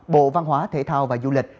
bộ văn hóa thể thao và du lịch